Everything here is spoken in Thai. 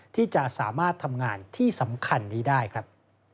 ที่จะสามารถทำงานที่สำคัญนี้ได้ครับ